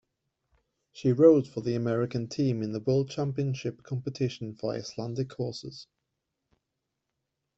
She rode for the American Team in the World Championship competition for Icelandic horses.